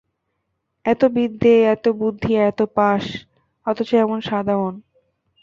এত বিদ্যে, এত বুদ্ধি, এত পাস, অথচ এমন সাদা মন।